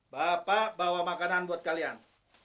bapak bawa makanan buat kalian